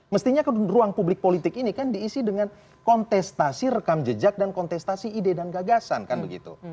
mestinya ruang publik politik ini kan diisi dengan kontestasi rekam jejak dan kontestasi ide dan gagasan kan begitu